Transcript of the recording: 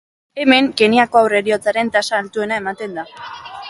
Hemen Kenyako haur heriotzaren tasa altuena ematen da.